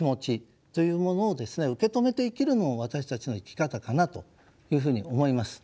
受け止めて生きるのも私たちの生き方かなというふうに思います。